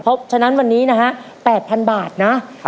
เพราะฉะนั้นวันนี้นะฮะ๘๐๐๐บาทนะ